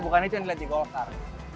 bukan itu yang dilihat di golkar